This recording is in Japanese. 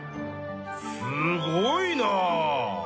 すごいな！